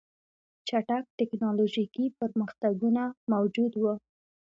چټک ټکنالوژیکي پرمختګونه موجود وو